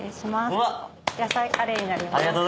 野菜カレーになります。